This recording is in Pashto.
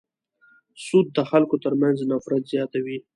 سود د خلکو تر منځ نفرت زیاتوي.